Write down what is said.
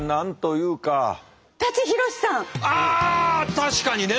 確かにね。